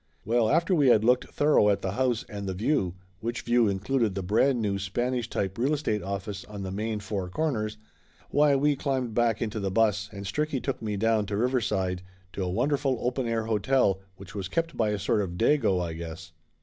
Well, after we had looked thorough at the house and the view, which view included the brand new Spanish type real estate office on the main four corners, why we climbed back into the bus and Stricky took me down to Riverside to a wonderful open air hotel which was kept by a sort of Dago, I guess.